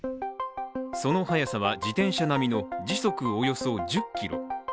その速さは自転車並みの時速およそ１０キロ。